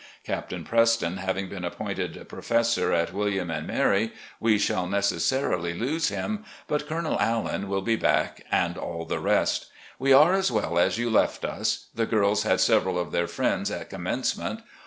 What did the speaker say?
Captain Preston having been appointed professor at William and Mary, we shall necessarily lose him, but Colonel Allan will be back, and all the rest. We are as well as you left us. The girls had several of their friends at commencement.